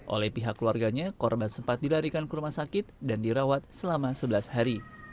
oleh pihak keluarganya korban sempat dilarikan ke rumah sakit dan dirawat selama sebelas hari